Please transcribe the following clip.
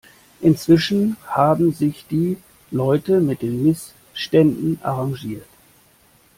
Inzwischen haben sich die Leute mit den Missständen arrangiert.